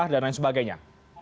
dan lain sebagainya